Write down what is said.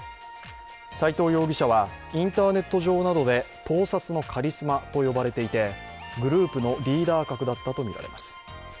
齋藤容疑者は、インターネット上などで盗撮のカリスマと呼ばれていて、グループのリーダー格だったとみられます。